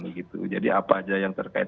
begitu jadi apa aja yang terkait